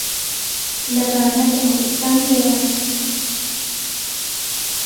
لە بانە لە کوردستانی ئێران